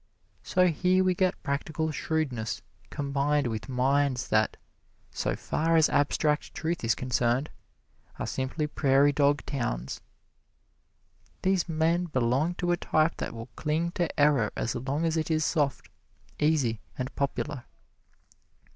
So here we get practical shrewdness combined with minds that, so far as abstract truth is concerned, are simply prairie dog towns. These men belong to a type that will cling to error as long as it is soft, easy and popular.